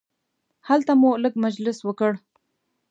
هلته مو لږ مجلس وکړ.